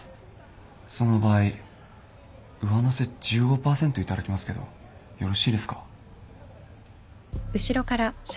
その場合上乗せ１５％頂きますけどよろしいですか？